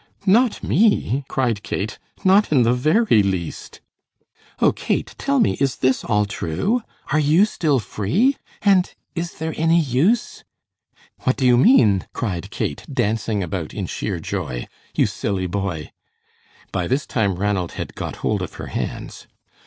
"Not me," cried Kate, "not in the very least." "Oh, Kate, tell me, is this all true? Are you still free? And is there any use?" "What do you mean?" cried Kate, dancing about in sheer joy, "you silly boy." By this time Ranald had got hold of her hands.